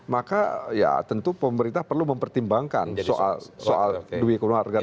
maka ya tentu pemerintah perlu mempertimbangkan soal duit keluarga